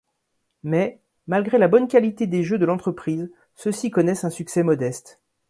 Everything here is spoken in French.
Mais, malgré la bonne qualité des jeux de l'entreprise, ceux-ci connaissent un succès modeste.